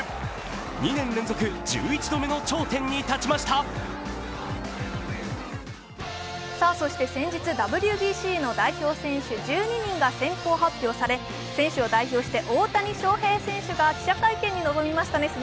２年連続１１度目の頂点に立ちました先日、ＷＢＣの代表選手１２人が先行発表され、選手を代表して大谷翔平選手が記者会見に臨みましたね。